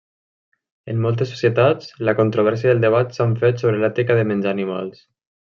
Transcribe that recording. En moltes societats, la controvèrsia i el debat s'han fet sobre l'ètica de menjar animals.